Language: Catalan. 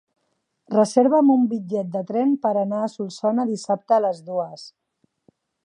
Reserva'm un bitllet de tren per anar a Solsona dissabte a les dues.